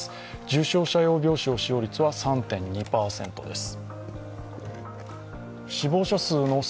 重症者用病床使用率は３．２％です。